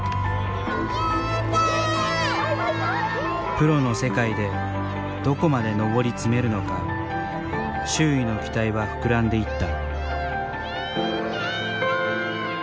プロの世界でどこまでのぼり詰めるのか周囲の期待は膨らんでいった。